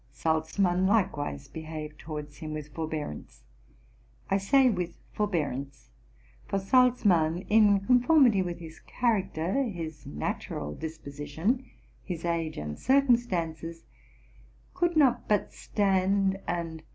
Salzmann likewise behaved towards him with forbearance, — I say with forbearance, for Salzmann, in conformity with his character, his natural dis position, his age and circumstances, could not but stand and RELATING TO MY LIFE.